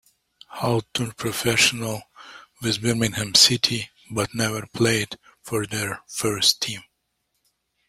Hall turned professional with Birmingham City, but never played for their first team.